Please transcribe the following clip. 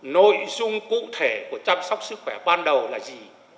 nội dung cụ thể của chăm sóc sức khỏe ban đầu là gì